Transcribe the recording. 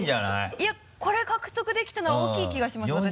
いやこれ獲得できたのは大きい気がします私。